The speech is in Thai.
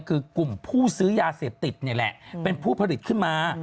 คือกลุ่มผู้ซื้อยาเสพติดนี่แหละเป็นผู้ผลิตขึ้นมา